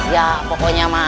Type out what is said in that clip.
ya pokoknya ma